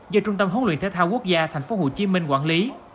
do trung tâm hỗn luyện thế thao quốc gia tp hcm quản lý